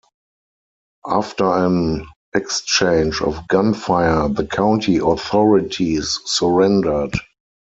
After an exchange of gunfire, the county authorities surrendered.